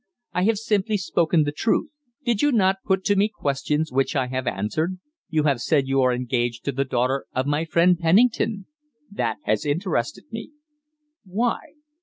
"I have simply spoken the truth. Did you not put to me questions which I have answered? You have said you are engaged to the daughter of my friend Penning ton. That has interested me." "Why?"